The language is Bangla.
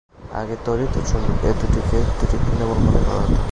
আগে তড়িৎ ও চুম্বকত্ব এ দুটিকে দুটি ভিন্ন বল মনে করা হত।